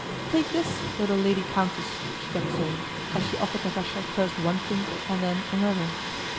"Take this, little Lady Countess!" she kept saying, as she offered Natásha first one thing and then another.